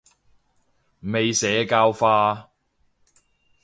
未社教化